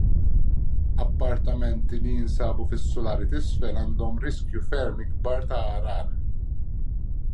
Appartamenti li jinsabu fis-sulari t'isfel għandhom riskju ferm ikbar ta' għargħar.